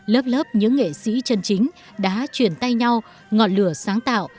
lớp lớp những nghệ sĩ chân chính đã chuyển tay nhau ngọn lửa sáng tạo